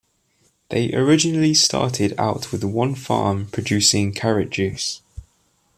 They originally started out with one farm producing carrot juice.